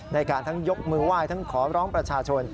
ทั้งยกมือไหว้ทั้งขอร้องประชาชน